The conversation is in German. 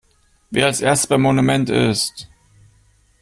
Wer als erstes beim Monument ist!